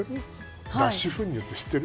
脱脂粉乳って知ってる？